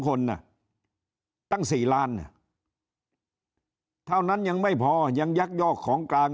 คนน่ะตั้ง๔ล้านเท่านั้นยังไม่พอยังยักยอกของกลาง